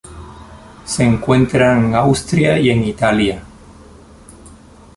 Se encuentra en Austria y en Italia.